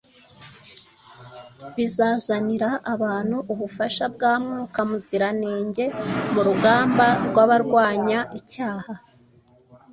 bizazanira abantu ubufasha bwa Mwuka Muziranenge mu rugamba barwanya icyaha.